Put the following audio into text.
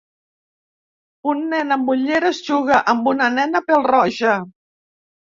Un nen amb ulleres juga amb una nena pèl-roja.